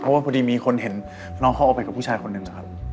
เพราะว่าพอดีมีคนเห็นน้องเขาออกไปกับผู้ชายคนหนึ่งนะครับ